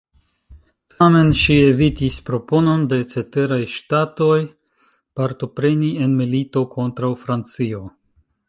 Tamen ŝi evitis proponon de ceteraj ŝtatoj partopreni en milito kontraŭ Francio.